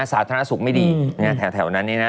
สาธารณสุขไม่ดีแถวนั้น